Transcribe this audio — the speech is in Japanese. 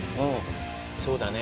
そうだね。